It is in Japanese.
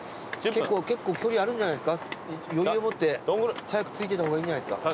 結構距離あるんじゃないですか余裕を持って早く着いてた方がいいんじゃないですか。